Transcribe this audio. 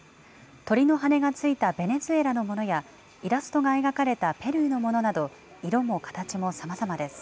鳥の羽がついたベネズエラのものや、イラストが描かれたペルーのものなど、色も形もさまざまです。